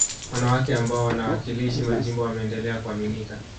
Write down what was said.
wanawake ambao wanawakilishi majimbo wameendelea kuaminika